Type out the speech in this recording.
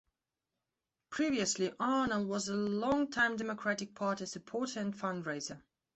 Previously, Arnall was a long-time Democratic Party supporter and fundraiser.